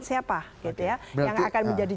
siapa gitu ya yang akan menjadi